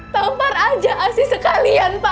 tampar aja asyik sekalian pak